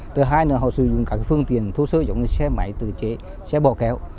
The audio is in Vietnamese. thứ hai là họ sử dụng các phương tiện thô sơ giống như xe máy tử chế xe bò kéo